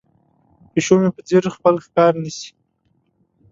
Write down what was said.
پیشو مې په ځیر خپل ښکار نیسي.